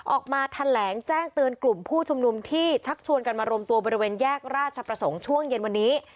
ออกมาแถลงแจ้งเตือนกลุ่มผู้ชุมนุมที่ชักชวนกันมารวมตัวบริเวณแยกราชประสงค์ช่วงเย็นวันนี้